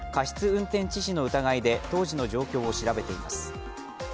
運転致死の疑いで当時の状況を調べています。